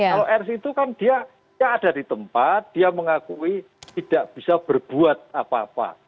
kalau rs itu kan dia ada di tempat dia mengakui tidak bisa berbuat apa apa